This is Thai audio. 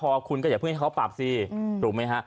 แต่ว่าคุณก็อย่าเพิ่งให้เขาปรับสิถูกมั้ยฮะ